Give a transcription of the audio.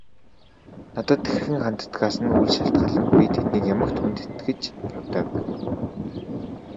Надад хэрхэн ханддагаас нь үл шалтгаалан би тэднийг ямагт хүндэтгэж явдаг.